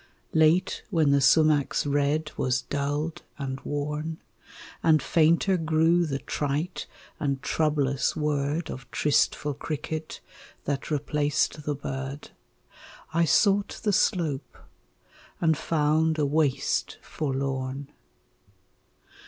Late when the sumach's red was dulled and worn, And fainter grew the trite and troublous word Of tristful cricket, that replaced the bird, I sought the slope, and found a waste forlorn.